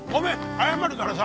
謝るからさ！